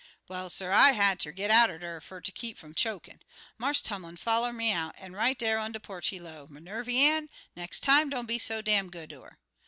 "Well, suh, I had ter git out er dar fer ter keep fum chokin'. Marse Tumlin foller me out, an' right here on de porch, he low, 'Minervy Ann, nex' time don't be so dam good to 'er.'